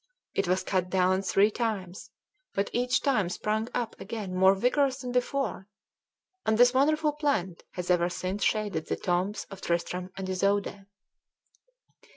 It was cut down three times, but each time sprung up again more vigorous than before, and this wonderful plant has ever since shaded the tombs of Tristram and Isoude.